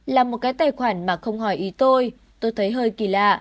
là một cái tài khoản mà không hỏi ý tôi tôi thấy hơi kỳ lạ